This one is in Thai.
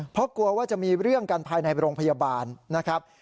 เพราะกลัวว่าจะมีเรื่องกันภายในโรงพยาบาลนะครับ